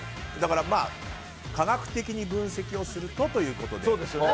科学的に分析をするとということで。